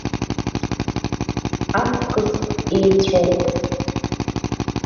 Аҵкыс еицәоуп.